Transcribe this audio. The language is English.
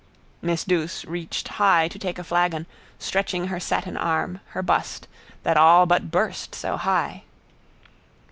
Miss Douce reached high to take a flagon, stretching her satin arm, her bust, that all but burst, so high.